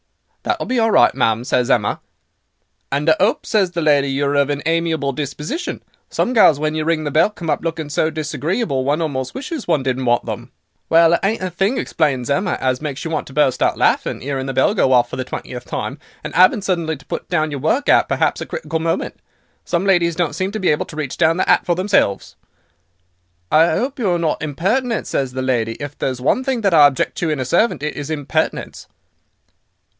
"'That'll be all right, ma'am,' says Emma. "'And I 'ope,' says the lady, 'you are of an amiable disposition. Some gals when you ring the bell come up looking so disagreeable, one almost wishes one didn't want them.' "'Well, it ain't a thing,' explains Emma, 'as makes you want to burst out laughing, 'earing the bell go off for the twentieth time, and 'aving suddenly to put down your work at, perhaps, a critical moment. Some ladies don't seem able to reach down their 'at for themselves.' "'I 'ope you are not impertinent,' says the lady; 'if there's one thing that I object to in a servant it is impertinence.